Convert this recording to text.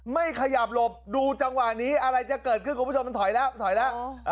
ไม่ขยับหลบดูจังหวะนี้อะไรจะเกิดขึ้นคุณผู้ชมมันถอยแล้วถอยแล้ว